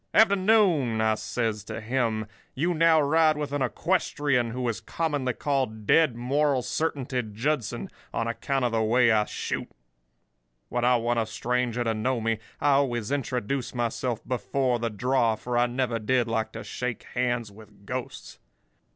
"'Afternoon!' says I to him. 'You now ride with a equestrian who is commonly called Dead Moral Certainty Judson, on account of the way I shoot. When I want a stranger to know me I always introduce myself before the draw, for I never did like to shake hands with ghosts.